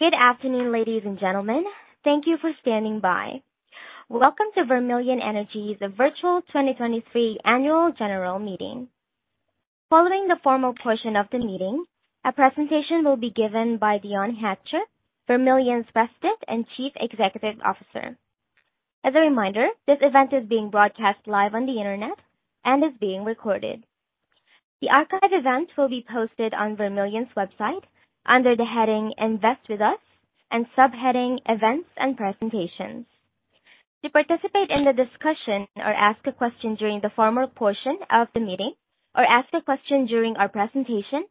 Good afternoon, ladies and gentlemen. Thank you for standing by. Welcome to Vermilion Energy's virtual 2023 annual general meeting. Following the formal portion of the meeting, a presentation will be given by Dion Hatcher, Vermilion's President and Chief Executive Officer. As a reminder, this event is being broadcast live on the Internet and is being recorded. The archive event will be posted on Vermilion's website under the heading Invest With Us and subheading Events and Presentations. To participate in the discussion or ask a question during the formal portion of the meeting or ask a question during our presentation,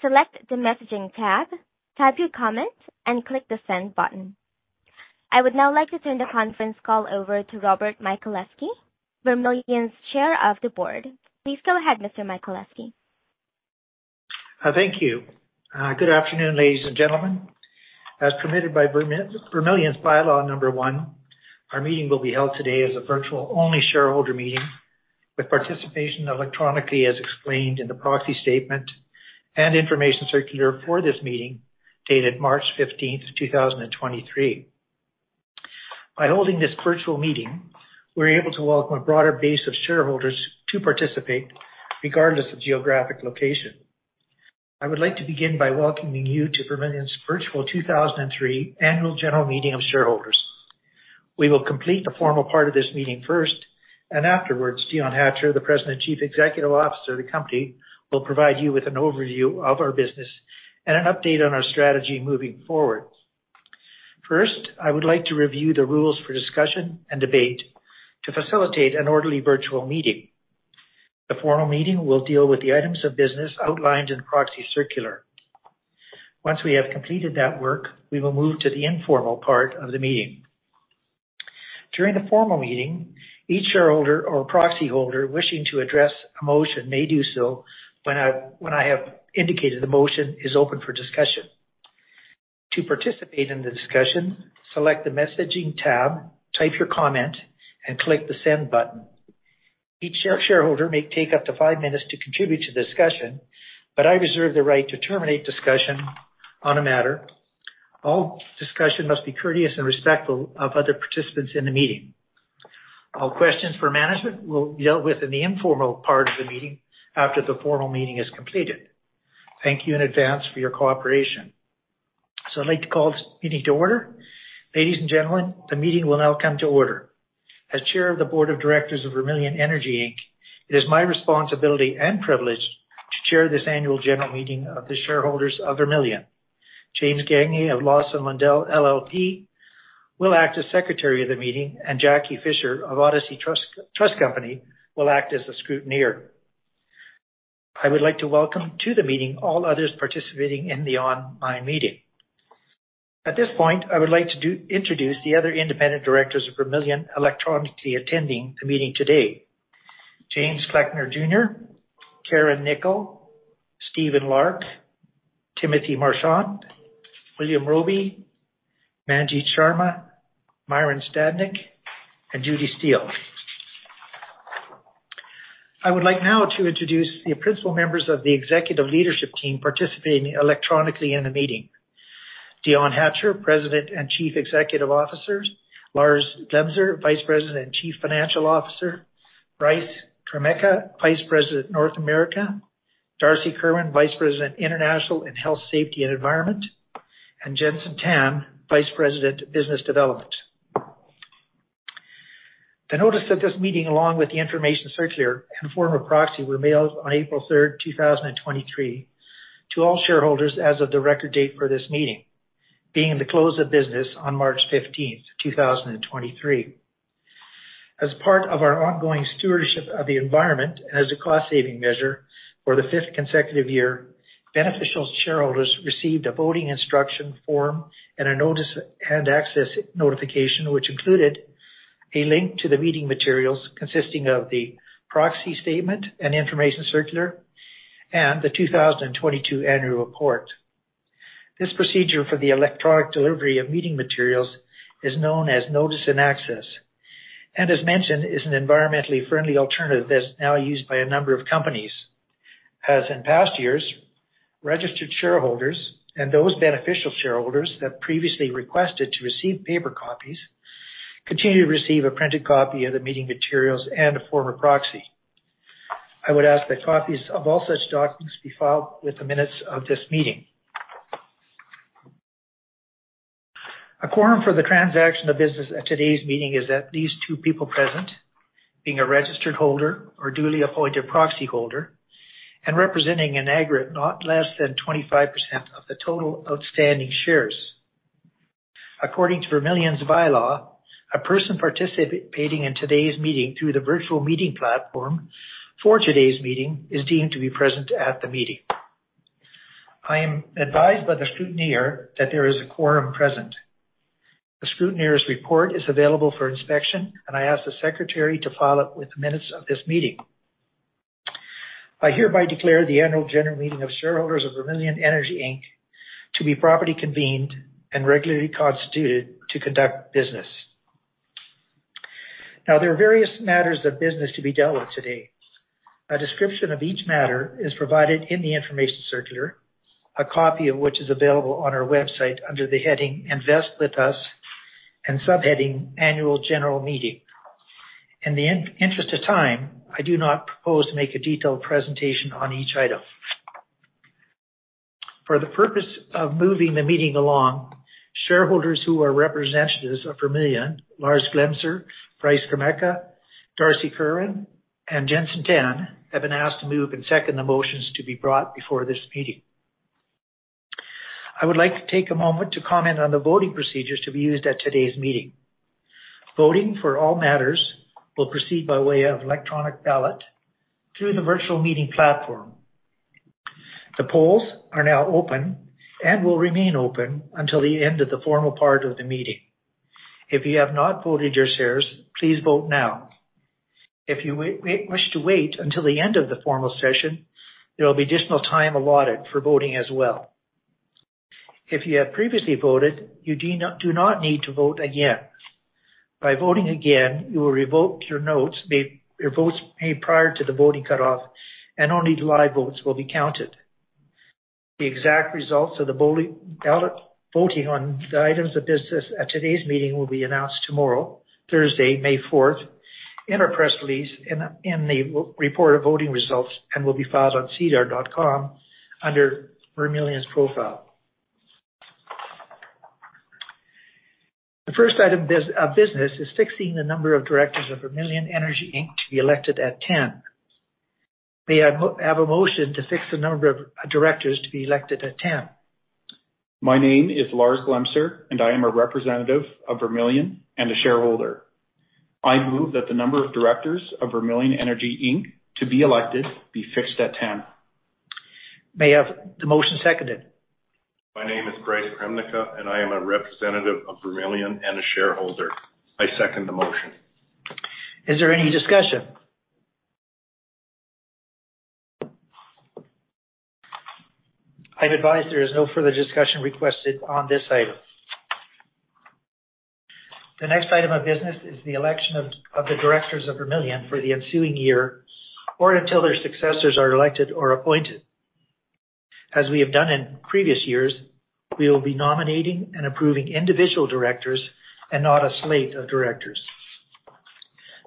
select the Messaging tab, type your comment, and click the Send button. I would now like to turn the conference call over to Robert Michaleski, Vermilion's Chair of the Board. Please go ahead, Mr. Michaleski. Thank you. Good afternoon, ladies and gentlemen. As permitted by Vermilion's bylaw number one, our meeting will be held today as a virtual-only shareholder meeting with participation electronically, as explained in the proxy statement and information circular for this meeting dated March 15th, 2023. By holding this virtual meeting, we're able to welcome a broader base of shareholders to participate regardless of geographic location. I would like to begin by welcoming you to Vermilion's virtual 2023 annual general meeting of shareholders. We will complete the formal part of this meeting first, and afterwards, Dion Hatcher, the President and Chief Executive Officer of the company, will provide you with an overview of our business and an update on our strategy moving forward. First, I would like to review the rules for discussion and debate to facilitate an orderly virtual meeting. The formal meeting will deal with the items of business outlined in the proxy circular. Once we have completed that work, we will move to the informal part of the meeting. During the formal meeting, each shareholder or proxy holder wishing to address a motion may do so when I have indicated the motion is open for discussion. To participate in the discussion, select the Messaging tab, type your comment, and click the Send button. Each shareholder may take up to five minutes to contribute to the discussion, but I reserve the right to terminate discussion on a matter. All discussion must be courteous and respectful of other participants in the meeting. All questions for management will be dealt with in the informal part of the meeting after the formal meeting is completed. Thank you in advance for your cooperation. I'd like to call this meeting to order. Ladies and gentlemen, the meeting will now come to order. As Chair of the Board of Directors of Vermilion Energy Inc., it is my responsibility and privilege to chair this annual general meeting of the shareholders of Vermilion. Jamie Gagner of Lawson Lundell LLP will act as Secretary of the Meeting, and Jacquie Fisher of Odyssey Trust Company will act as the Scrutineer. I would like to welcome to the meeting all others participating in the online meeting. At this point, I would like to introduce the other Independent Directors of Vermilion electronically attending the meeting today. James Kleckner Jr., Carin Knickel, Stephen Larke, Timothy Marchant, William Roby, Manjit Sharma, Myron Stadnyk, and Judy Steele. I would like now to introduce the Principal Members of the Executive Leadership Team participating electronically in the meeting. Dion Hatcher, President and Chief Executive Officer. Lars Glemser, Vice President and Chief Financial Officer. Bryce Kremnica, Vice President, North America. Darcy Kerwin, Vice President, International and Health, Safety and Environment, and Jenson Tan, Vice President, Business Development. The notice of this meeting, along with the information circular and form of proxy, were mailed on April 3rd, 2023 to all shareholders as of the record date for this meeting, being the close of business on March 15th, 2023. As part of our ongoing stewardship of the environment as a cost-saving measure for the fifth consecutive year, beneficial shareholders received a voting instruction form and a Notice and Access notification, which included a link to the meeting materials consisting of the proxy statement and information circular and the 2022 annual report. This procedure for the electronic delivery of meeting materials is known as Notice and Access, as mentioned, is an environmentally friendly alternative that's now used by a number of companies. As in past years, registered shareholders and those beneficial shareholders that previously requested to receive paper copies continue to receive a printed copy of the meeting materials and a form of proxy. I would ask that copies of all such documents be filed with the minutes of this meeting. A quorum for the transaction of business at today's meeting is at least two people present, being a registered holder or duly appointed proxy holder and representing an aggregate not less than 25% of the total outstanding shares. According to Vermilion's bylaw, a person participating in today's meeting through the virtual meeting platform for today's meeting is deemed to be present at the meeting. I am advised by the scrutineer that there is a quorum present. The scrutineer's report is available for inspection. I ask the secretary to file it with the minutes of this meeting. I hereby declare the annual general meeting of shareholders of Vermilion Energy Inc. to be properly convened and regularly constituted to conduct business. There are various matters of business to be dealt with today. A description of each matter is provided in the information circular, a copy of which is available on our website under the heading Invest With Us and subheading Annual General Meeting. In the interest of time, I do not propose to make a detailed presentation on each item. For the purpose of moving the meeting along, shareholders who are representatives of Vermilion, Lars Glemser, Bryce Kremnica, Darcy Kerwin, and Jenson Tan, have been asked to move and second the motions to be brought before this meeting. I would like to take a moment to comment on the voting procedures to be used at today's meeting. Voting for all matters will proceed by way of electronic ballot through the virtual meeting platform. The polls are now open and will remain open until the end of the formal part of the meeting. If you have not voted your shares, please vote now. If you wish to wait until the end of the formal session, there will be additional time allotted for voting as well. If you have previously voted, you do not need to vote again. By voting again, you will revoke your notes made... Your votes made prior to the voting cutoff and only live votes will be counted. The exact results of the voting ballot, voting on the items of business at today's meeting will be announced tomorrow, Thursday, May fourth, in our press release in the report of voting results and will be filed on sedar.com under Vermilion's profile. The first item of business is fixing the number of directors of Vermilion Energy Inc. to be elected at ten. May I have a motion to fix the number of directors to be elected at ten? My name is Lars Glemser, and I am a representative of Vermilion and a shareholder. I move that the number of directors of Vermilion Energy Inc. to be elected be fixed at 10. May I have the motion seconded? My name is Bryce Kremnica, and I am a representative of Vermilion and a shareholder. I second the motion. Is there any discussion? I'm advised there is no further discussion requested on this item. The next item of business is the election of the directors of Vermilion for the ensuing year or until their successors are elected or appointed. As we have done in previous years, we will be nominating and approving individual directors and not a slate of directors.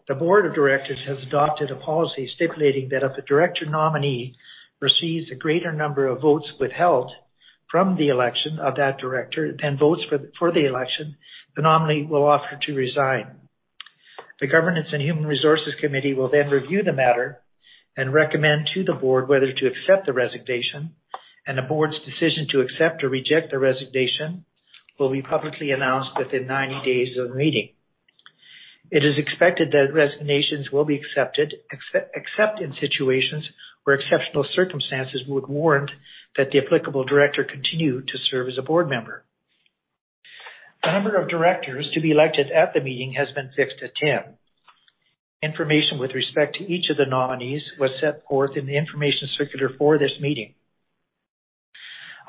The board of directors has adopted a policy stipulating that if a director nominee receives a greater number of votes withheld from the election of that director than votes for the election, the nominee will offer to resign. The Governance and Human Resources Committee will then review the matter and recommend to the board whether to accept the resignation, and the board's decision to accept or reject the resignation will be publicly announced within 90 days of the meeting. It is expected that resignations will be accepted, except in situations where exceptional circumstances would warrant that the applicable director continue to serve as a board member. The number of directors to be elected at the meeting has been fixed at ten. Information with respect to each of the nominees was set forth in the information circular for this meeting.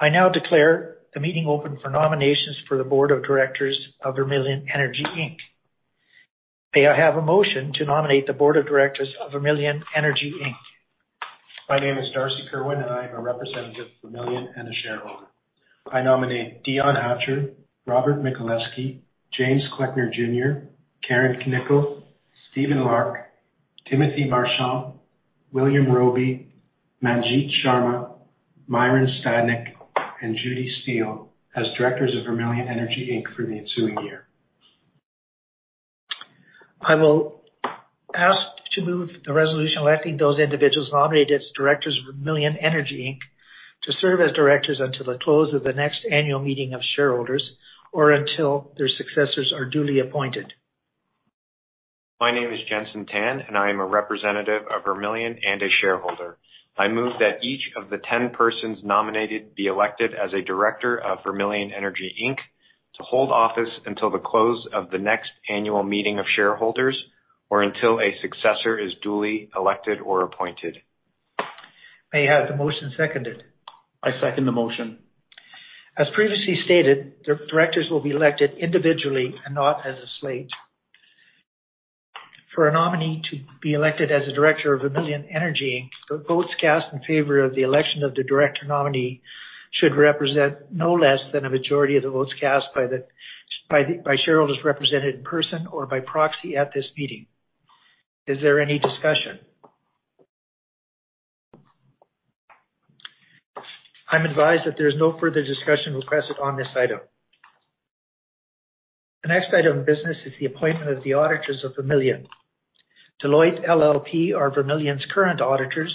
I now declare the meeting open for nominations for the Board of Directors of Vermilion Energy Inc. May I have a motion to nominate the Board of Directors of Vermilion Energy Inc? My name is Darcy Kerwin, and I am a representative of Vermilion and a shareholder. I nominate Dion Hatcher, Robert Michaleski, James Kleckner Jr., Carin Knickel, Stephen Larke, Timothy Marchant, William Roby, Manjit Sharma, Myron Stadnyk, and Judy Steele as directors of Vermilion Energy Inc. for the ensuing year. I will ask to move the resolution electing those individuals nominated as directors of Vermilion Energy Inc. to serve as directors until the close of the next annual meeting of shareholders or until their successors are duly appointed. My name is Jenson Tan, and I am a representative of Vermilion and a shareholder. I move that each of the 10 persons nominated be elected as a director of Vermilion Energy Inc. to hold office until the close of the next annual meeting of shareholders or until a successor is duly elected or appointed. May I have the motion seconded? I second the motion. As previously stated, the directors will be elected individually and not as a slate. For a nominee to be elected as a director of Vermilion Energy, the votes cast in favor of the election of the director nominee should represent no less than a majority of the votes cast by the shareholders represented in person or by proxy at this meeting. Is there any discussion? I'm advised that there's no further discussion requested on this item. The next item of business is the appointment of the auditors of Vermilion. Deloitte LLP are Vermilion's current auditors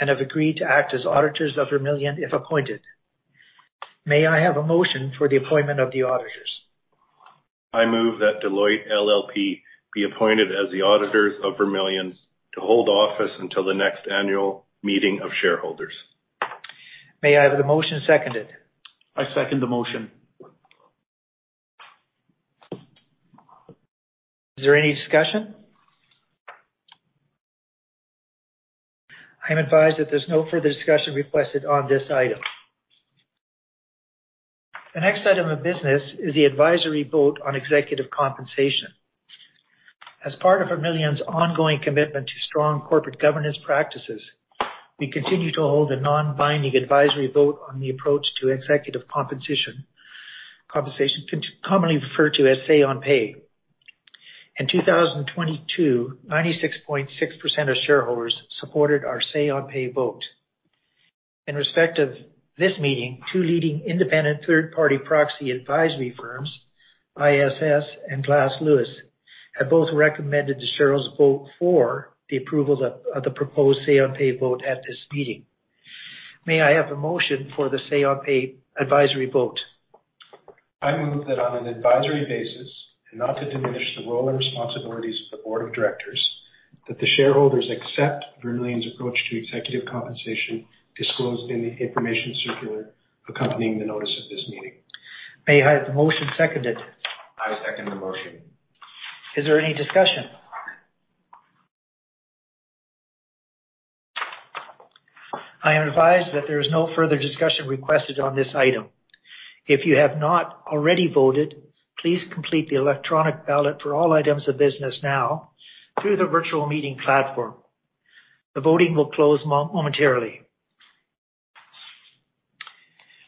and have agreed to act as auditors of Vermilion, if appointed. May I have a motion for the appointment of the auditors? I move that Deloitte LLP be appointed as the auditors of Vermilion to hold office until the next annual meeting of shareholders. May I have the motion seconded? I second the motion. Is there any discussion? I'm advised that there's no further discussion requested on this item. The next item of business is the advisory vote on executive compensation. As part of Vermilion's ongoing commitment to strong corporate governance practices, we continue to hold a non-binding advisory vote on the approach to executive compensation, commonly referred to as say on pay. In 2022, 96.6% of shareholders supported our say on pay vote. In respect of this meeting, two leading independent third party proxy advisory firms, ISS and Glass Lewis, have both recommended the shareholders vote for the approval of the proposed say on pay vote at this meeting. May I have a motion for the say on pay advisory vote? I move that on an advisory basis, and not to diminish the role and responsibilities of the board of directors, that the shareholders accept Vermilion's approach to executive compensation disclosed in the information circular accompanying the notice of this meeting. May I have the motion seconded? I second the motion. Is there any discussion? I am advised that there is no further discussion requested on this item. If you have not already voted, please complete the electronic ballot for all items of business now through the virtual meeting platform. The voting will close momentarily.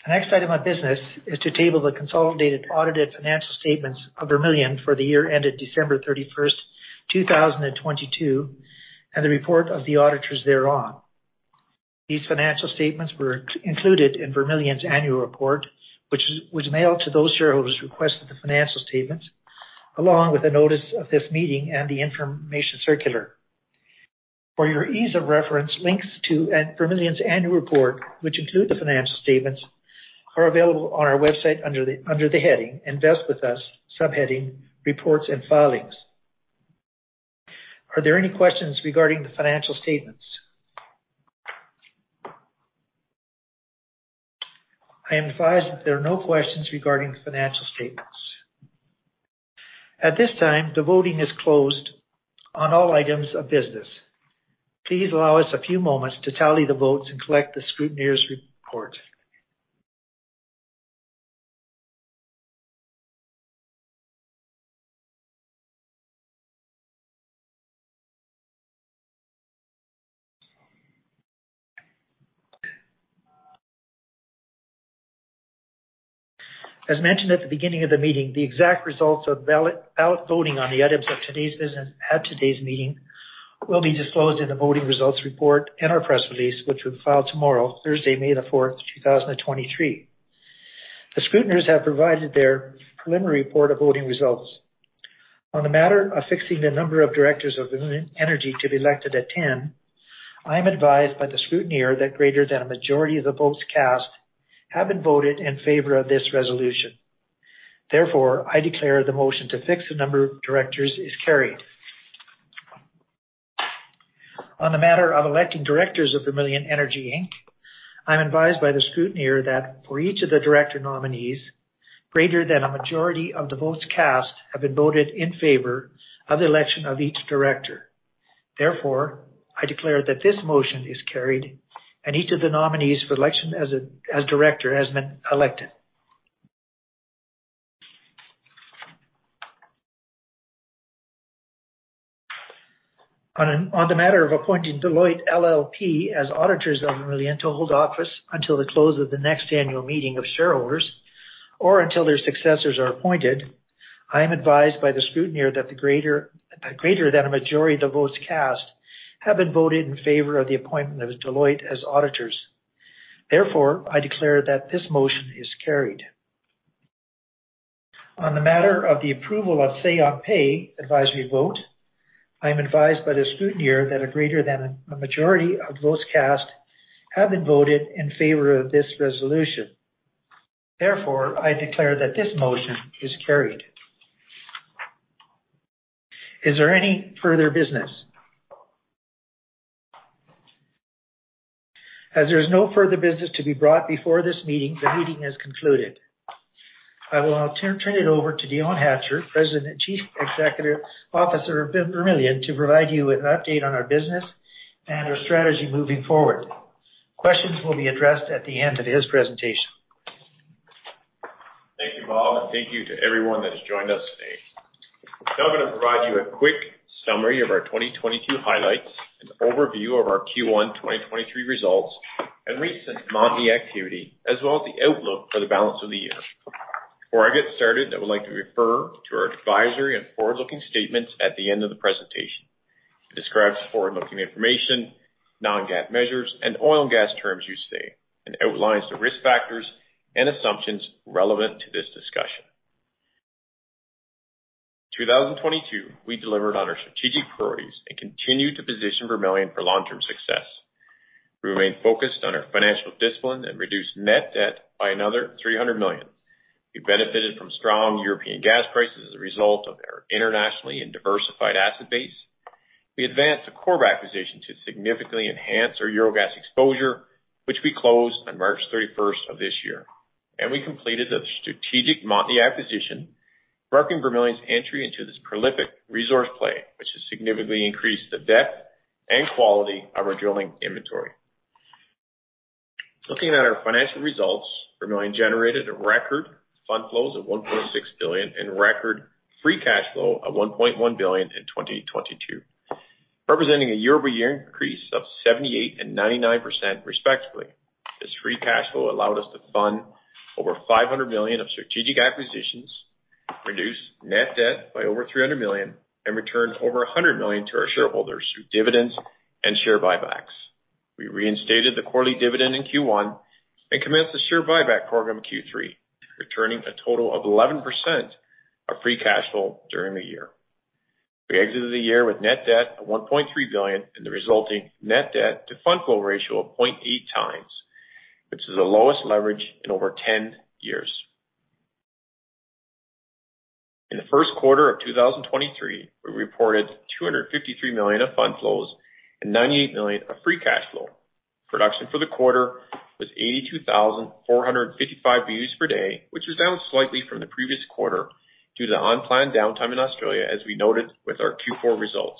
The next item of business is to table the consolidated audited financial statements of Vermilion for the year ended December 31st, 2022, and the report of the auditors thereon. These financial statements were included in Vermilion's annual report, which was mailed to those shareholders who requested the financial statements, along with a notice of this meeting and the information circular. For your ease of reference, links to Vermilion's annual report, which include the financial statements, are available on our website under the heading Invest With Us, subheading Reports and Filings. Are there any questions regarding the financial statements? I am advised that there are no questions regarding the financial statements. At this time, the voting is closed on all items of business. Please allow us a few moments to tally the votes and collect the scrutineer's report. As mentioned at the beginning of the meeting, the exact results of ballot voting on the items of today's business at today's meeting will be disclosed in the voting results report and our press release, which we'll file tomorrow, Thursday, May the fourth, 2023. The scrutineers have provided their preliminary report of voting results. On the matter of fixing the number of directors of Vermilion Energy to be elected at 10, I am advised by the scrutineer that greater than a majority of the votes cast have been voted in favor of this resolution. I declare the motion to fix the number of directors is carried. On the matter of electing directors of Vermilion Energy Inc, I'm advised by the scrutineer that for each of the director nominees, greater than a majority of the votes cast have been voted in favor of the election of each director. Therefore, I declare that this motion is carried, and each of the nominees for election as director has been elected. On the matter of appointing Deloitte LLP as auditors of Vermilion to hold office until the close of the next annual meeting of shareholders or until their successors are appointed, I am advised by the scrutineer that the greater than a majority of the votes cast have been voted in favor of the appointment of Deloitte as auditors. Therefore, I declare that this motion is carried. On the matter of the approval of say on pay advisory vote, I am advised by the scrutineer that a greater than a majority of votes cast have been voted in favor of this resolution. Therefore, I declare that this motion is carried. Is there any further business? As there is no further business to be brought before this meeting, the meeting is concluded. I will now turn it over to Dion Hatcher, President Chief Executive Officer of Vermilion, to provide you with an update on our business and our strategy moving forward. Questions will be addressed at the end of his presentation. Thank you, Bob. Thank you to everyone that has joined us today. I'm gonna provide you a quick summary of our 2022 highlights, an overview of our Q1 2023 results and recent Montney activity, as well as the outlook for the balance of the year. Before I get started, I would like to refer to our advisory and forward-looking statements at the end of the presentation. It describes forward-looking information, non-GAAP measures and oil and gas terms used today and outlines the risk factors and assumptions relevant to this discussion. 2022, we delivered on our strategic priorities and continued to position Vermilion for long-term success. We remained focused on our financial discipline and reduced net debt by another $300 million. We benefited from strong European gas prices as a result of our internationally and diversified asset base. We advanced the Corrib acquisition to significantly enhance our Euro Gas exposure, which we closed on March 31st of this year. We completed the strategic Montney acquisitionMarking Vermilion's entry into this prolific resource play, which has significantly increased the depth and quality of our drilling inventory. Looking at our financial results, Vermilion generated a record fund flows of $1.6 billion and record free cash flow of $1.1 billion in 2022, representing a year-over-year increase of 78% and 99% respectively. This free cash flow allowed us to fund over $500 million of strategic acquisitions, reduce net debt by over $300 million, and return over $100 million to our shareholders through dividends and share buybacks. We reinstated the quarterly dividend in Q1 and commenced the share buyback program in Q3, returning a total of 11% of free cash flow during the year. We exited the year with net debt of 1.3 billion and the resulting net debt to fund flow ratio of 0.8 times, which is the lowest leverage in over 10 years. In the first quarter of 2023, we reported 253 million of Fund Flows and 98 million of free cash flow. Production for the quarter was 82,455 BOEs per day, which was down slightly from the previous quarter due to the unplanned downtime in Australia, as we noted with our Q4 results.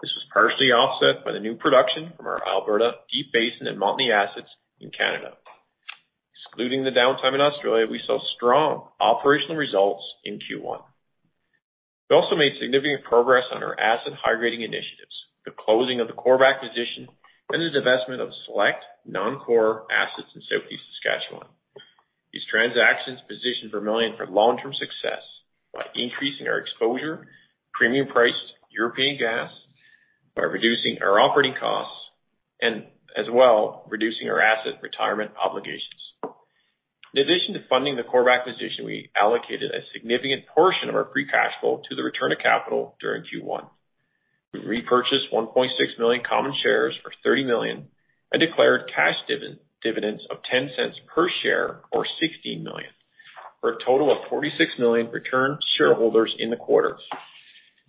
This was partially offset by the new production from our Alberta Deep Basin and Montney assets in Canada. Excluding the downtime in Australia, we saw strong operational results in Q1. We also made significant progress on our asset high-grading initiatives, the closing of the Corrib acquisition, and the divestment of select non-core assets in Southeast Saskatchewan. These transactions positioned Vermilion for long-term success by increasing our exposure to premium priced Euro Gas, by reducing our operating costs, and as well, reducing our asset retirement obligations. In addition to funding the Corrib acquisition, we allocated a significant portion of our free cash flow to the return of capital during Q1. We repurchased 1.6 million common shares for 30 million and declared cash dividends of 0.10 per share, or 16 million, for a total of 46 million returned to shareholders in the quarter.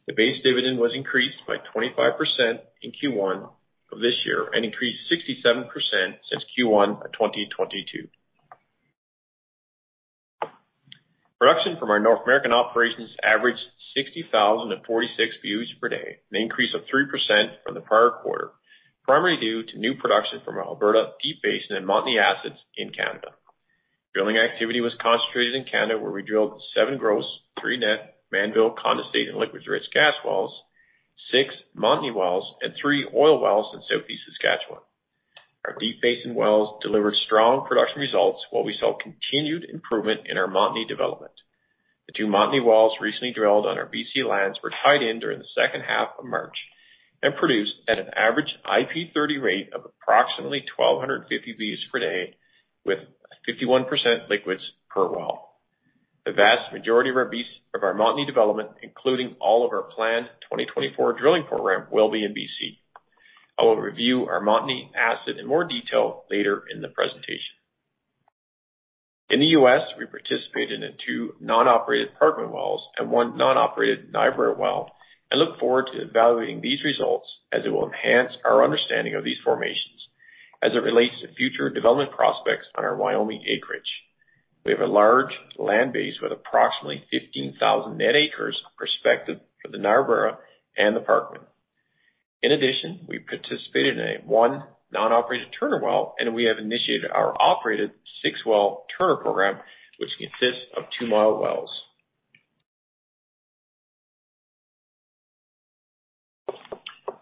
The base dividend was increased by 25% in Q1 of this year, and increased 67% since Q1 of 2022. Production from our North American operations averaged 60,046 BOEs per day, an increase of 3% from the prior quarter, primarily due to new production from our Alberta Deep Basin and Montney assets in Canada. Drilling activity was concentrated in Canada, where we drilled seven gross, three net Mannville condensate and liquids-rich gas wells, six Montney wells, and three oil wells in Southeast Saskatchewan. Our Deep Basin wells delivered strong production results, while we saw continued improvement in our Montney development. The two Montney wells recently drilled on our BC lands were tied in during the second half of March and produced at an average IP30 rate of approximately 1,250 BOEs per day, with 51% liquids per well. The vast majority of our Montney development, including all of our planned 2024 drilling program, will be in BC. I will review our Montney asset in more detail later in the presentation. In the U.S., we participated in two non-operated Parkman wells and one non-operated Niobrara well. I look forward to evaluating these results as it will enhance our understanding of these formations as it relates to future development prospects on our Wyoming acreage. We have a large land base with approximately 15,000 net acres perspective for the Niobrara and the Parkman. In addition, we participated in a one non-operated Turner well, and we have initiated our operated 6-well Turner program, which consists of two mile wells.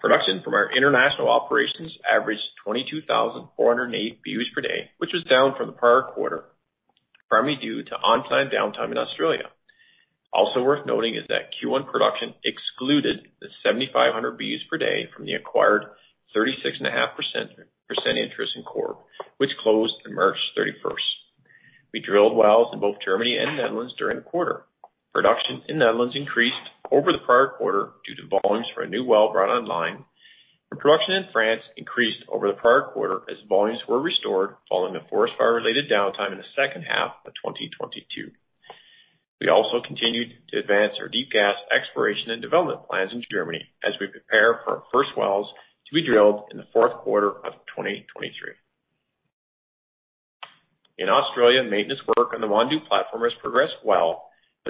Production from our international operations averaged 22,408 BOEs per day, which was down from the prior quarter, primarily due to on-site downtime in Australia. Also worth noting is that Q1 production excluded the 7,500 BOEs per day from the acquired 36.5% interest in Corrib, which closed on March 31st. We drilled wells in both Germany and the Netherlands during the quarter. Production in Netherlands increased over the prior quarter due to volumes for a new well brought online, and production in France increased over the prior quarter as volumes were restored following a forest fire-related downtime in the second half of 2022. We also continued to advance our deep gas exploration and development plans in Germany as we prepare for our first wells to be drilled in the fourth quarter of 2023.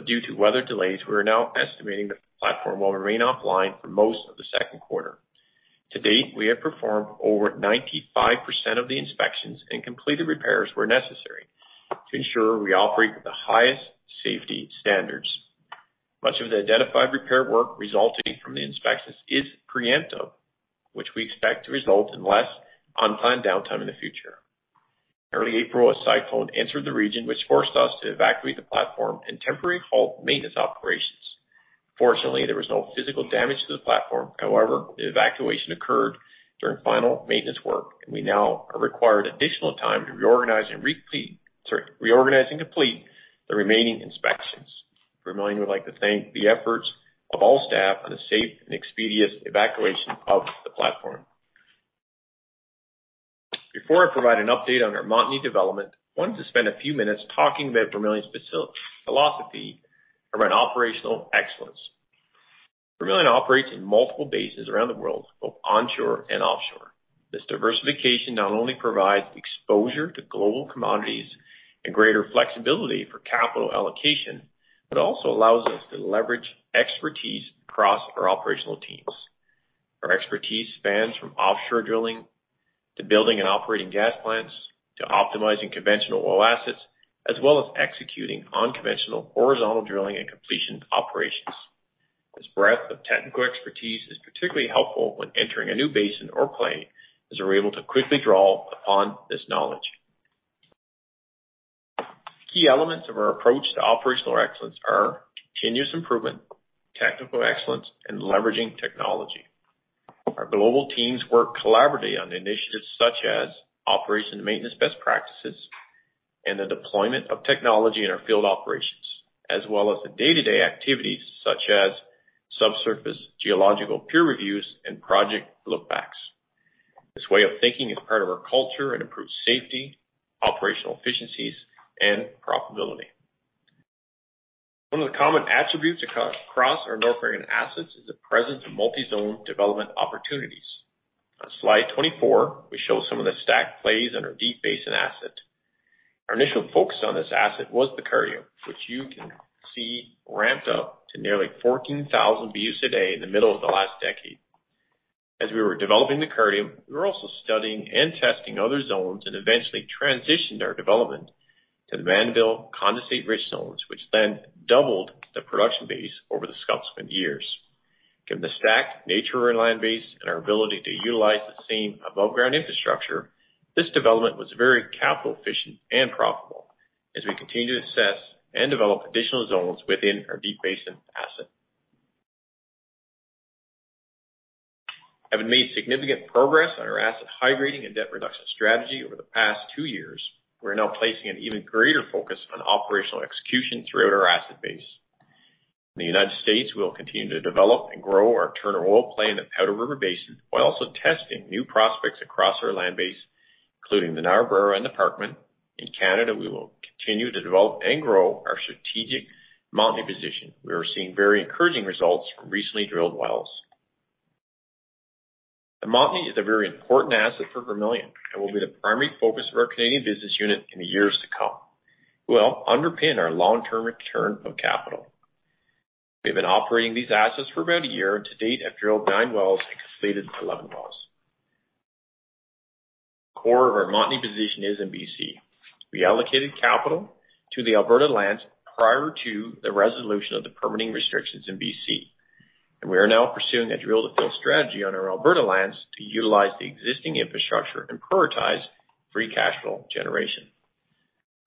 Due to weather delays, we are now estimating that the platform will remain offline for most of the second quarter. To date, we have performed over 95% of the inspections and completed repairs where necessary to ensure we operate with the highest safety standards. Much of the identified repair work resulting from the inspections is preemptive, which we expect to result in less unplanned downtime in the future. In early April, a cyclone entered the region, which forced us to evacuate the platform and temporarily halt maintenance operations. Fortunately, there was no physical damage to the platform. The evacuation occurred during final maintenance work, and we now are required additional time to reorganize and complete the remaining inspections. Vermilion would like to thank the efforts of all staff on the safe and expeditious evacuation of the platform. Before I provide an update on our Montney development, I wanted to spend a few minutes talking about Vermilion's philosophy around operational excellence in multiple bases around the world, both onshore and offshore. This diversification not only provides exposure to global commodities and greater flexibility for capital allocation, but also allows us to leverage expertise across our operational teams. Our expertise spans from offshore drilling to building and operating gas plants, to optimizing conventional oil assets, as well as executing unconventional horizontal drilling and completion operations. This breadth of technical expertise is particularly helpful when entering a new basin or play, as we're able to quickly draw upon this knowledge. Key elements of our approach to operational excellence are continuous improvement, technical excellence, and leveraging technology. Our global teams work collaboratively on initiatives such as operation maintenance best practices and the deployment of technology in our field operations, as well as the day-to-day activities such as subsurface geological peer reviews and project look backs. This way of thinking is part of our culture and improves safety, operational efficiencies, and profitability. One of the common attributes across our North American assets is the presence of multi-zone development opportunities. On slide 24, we show some of the stacked plays on our Deep Basin asset. Our initial focus on this asset was the Cardium, which you can see ramped up to nearly 14,000 BOEs a day in the middle of the last decade. As we were developing the Cardium, we were also studying and testing other zones, and eventually transitioned our development to the Mannville condensate rich zones, which then doubled the production base over the subsequent years. Given the STACK nature of our land base and our ability to utilize the same above ground infrastructure, this development was very capital efficient and profitable as we continue to assess and develop additional zones within our Deep Basin asset. Having made significant progress on our asset high grading and debt reduction strategy over the past two years, we're now placing an even greater focus on operational execution throughout our asset base. In the United States, we'll continue to develop and grow our Turner oil play in the Powder River Basin, while also testing new prospects across our land base, including the Niobrara and Parkman. In Canada, we will continue to develop and grow our strategic Montney position. We are seeing very encouraging results from recently drilled wells. The Montney is a very important asset for Vermilion and will be the primary focus of our Canadian business unit in the years to come. We'll underpin our long-term return of capital. We've been operating these assets for about a year, and to date have drilled nine wells and completed 11 wells. The core of our Montney position is in BC. We allocated capital to the Alberta lands prior to the resolution of the permitting restrictions in BC, and we are now pursuing a drill to fill strategy on our Alberta lands to utilize the existing infrastructure and prioritize free cash flow generation.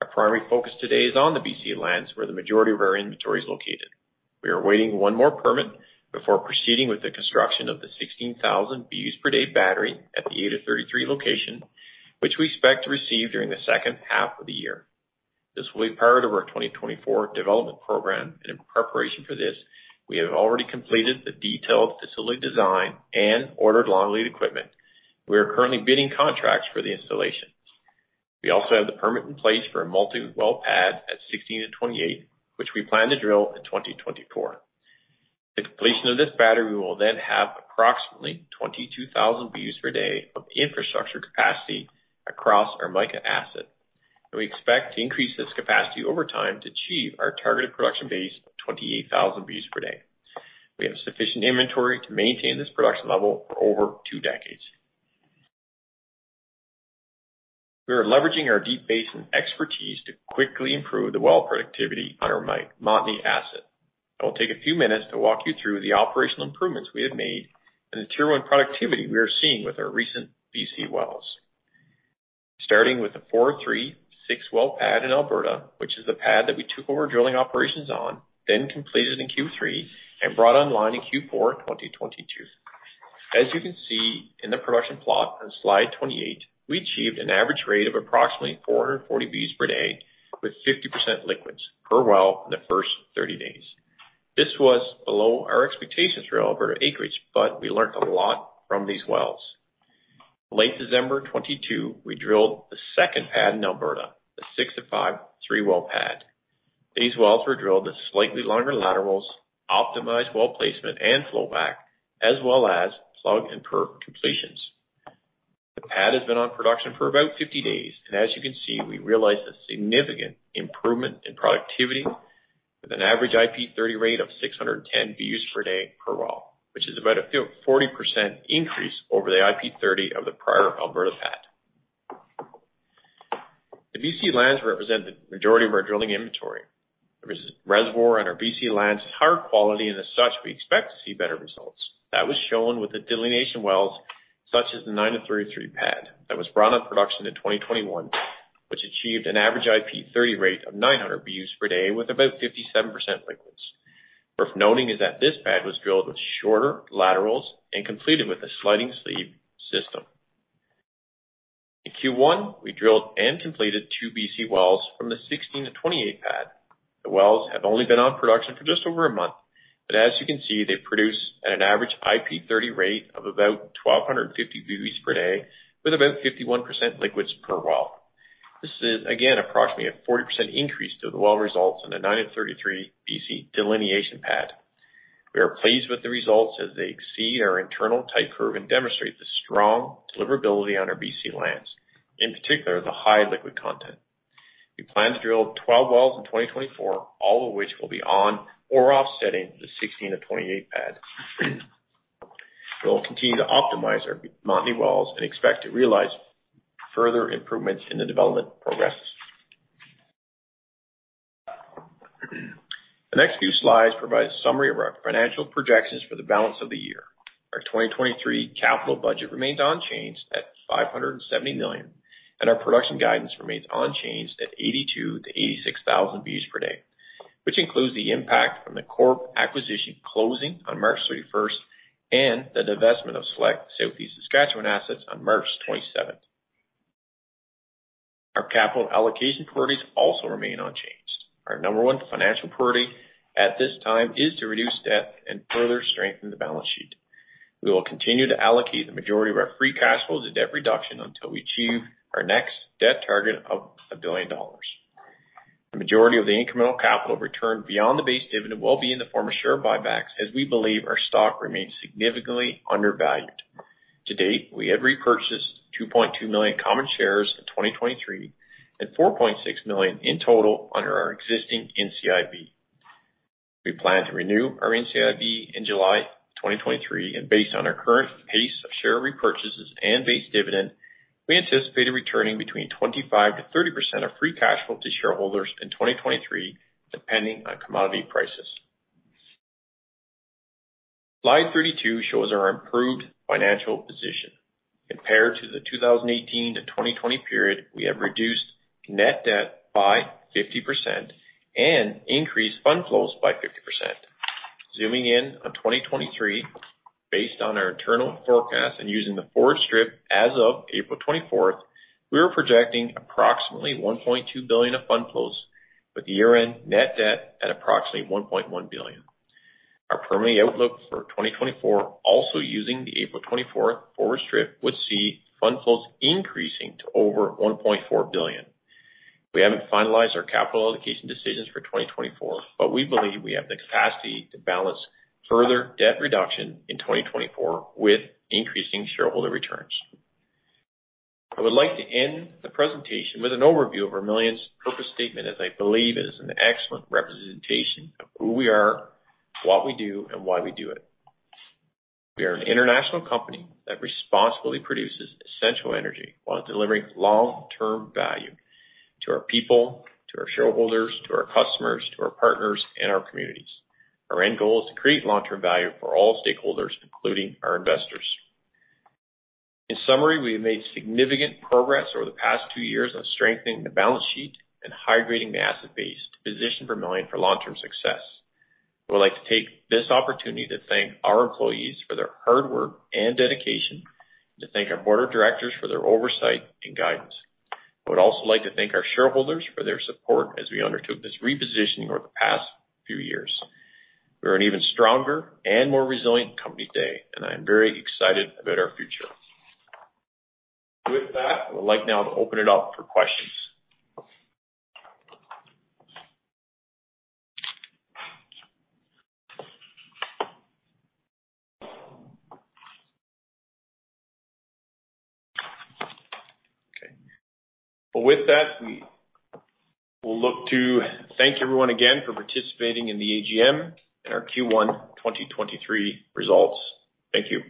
Our primary focus today is on the BC lands where the majority of our inventory is located. We are awaiting one more permit before proceeding with the construction of the 16,000 BOEs per day battery at the 8-33 location, which we expect to receive during the second half of the year. This will be part of our 2024 development program and in preparation for this, we have already completed the detailed facility design and ordered long lead equipment. We are currently bidding contracts for the installation. We also have the permit in place for a multi-well pad at 16-28, which we plan to drill in 2024. The completion of this battery will then have approximately 22,000 BOEs per day of infrastructure capacity across our Mica asset, and we expect to increase this capacity over time to achieve our targeted production base of 28,000 BOEs per day. We have sufficient inventory to maintain this production level for over two decades. We are leveraging our deep basin expertise to quickly improve the well productivity on our my Montney asset. I will take a few minutes to walk you through the operational improvements we have made and the tier one productivity we are seeing with our recent BC wells. Starting with the 4-36 well pad in Alberta, which is the pad that we took over drilling operations on, then completed in Q3 and brought online in Q4 2022. As you can see in the production plot on slide 28, we achieved an average rate of approximately 440 BOEs per day with 50% liquids per well in the first 30 days. This was below our expectations for Alberta acreage, but we learned a lot from these wells. Late December 2022, we drilled the second pad in Alberta, the 6-5-3 well pad. These wells were drilled at slightly longer laterals, optimized well placement and flow back, as well as plug and perf completions. The pad has been on production for about 50 days. As you can see, we realized a significant improvement in productivity with an average IP30 rate of 610 BOEs per day per well, which is about a 40% increase over the IP30 of the prior Alberta pad. The BC lands represent the majority of our drilling inventory. The reservoir on our BC lands is higher quality and as such, we expect to see better results. That was shown with the delineation wells such as the 9-33 pad that was brought on production in 2021, which achieved an average IP30 rate of 900 BOEs per day with about 57% liquids. Worth noting is that this pad was drilled with shorter laterals and completed with a sliding sleeve system. In Q1, we drilled and completed 2 BC wells from the 16-28 pad. The wells have only been on production for just over a month, but as you can see, they produce at an average IP30 rate of about 1,250 BOEs per day with about 51% liquids per well. This is again approximately a 40% increase to the well results in the 9-33 BC delineation pad. We are pleased with the results as they exceed our internal type curve and demonstrate the strong deliverability on our BC lands, in particular, the high liquid content. We plan to drill 12 wells in 2024, all of which will be on or offsetting the 16 to 28 pad. We will continue to optimize our Montney wells and expect to realize further improvements in the development progress. The next few slides provide a summary of our financial projections for the balance of the year. Our 2023 capital budget remains unchanged at 570 million, and our production guidance remains unchanged at 82,000-86,000 BOEs per day, which includes the impact from the Corrib acquisition closing on March 31st and the divestment of select southeast Saskatchewan assets on March 27th. Our capital allocation priorities also remain unchanged. Our number one financial priority at this time is to reduce debt and further strengthen the balance sheet. We will continue to allocate the majority of our free cash flow to debt reduction until we achieve our next debt target of 1 billion dollars. The majority of the incremental capital return beyond the base dividend will be in the form of share buybacks as we believe our stock remains significantly undervalued. To date, we have repurchased 2.2 million common shares in 2023 and 4.6 million in total under our existing NCIB. Based on our current pace of share repurchases and base dividend, we anticipate returning between 25%-30% of free cash flow to shareholders in 2023, depending on commodity prices. Slide 32 shows our improved financial position. Compared to the 2018 to 2020 period, we have reduced net debt by 50% and increased fund flows by 50%. Zooming in on 2023, based on our internal forecast and using the forward strip as of April 24th, we are projecting approximately 1.2 billion of fund flows with the year-end net debt at approximately 1.1 billion. Our permitting outlook for 2024, also using the April 24 forward strip, would see fund flows increasing to over 1.4 billion. We haven't finalized our capital allocation decisions for 2024. We believe we have the capacity to balance further debt reduction in 2024 with increasing shareholder returns. I would like to end the presentation with an overview of Vermilion's purpose statement, as I believe it is an excellent representation of who we are, what we do, and why we do it. We are an international company that responsibly produces essential energy while delivering long-term value to our people, to our shareholders, to our customers, to our partners, and our communities. Our end goal is to create long-term value for all stakeholders, including our investors. In summary, we have made significant progress over the past two years on strengthening the balance sheet and high-grading the asset base to position Vermilion for long-term success. I would like to take this opportunity to thank our employees for their hard work and dedication, and to thank our board of directors for their oversight and guidance. I would also like to thank our shareholders for their support as we undertook this repositioning over the past few years. We are an even stronger and more resilient company today, and I am very excited about our future. With that, I would like now to open it up for questions. Okay. Well, with that, we will look to thank everyone again for participating in the AGM and our Q1 2023 results. Thank you.